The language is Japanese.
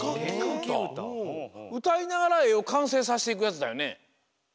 うたいながらえをかんせいさせていくやつだよね？